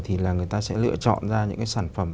thì là người ta sẽ lựa chọn ra những cái sản phẩm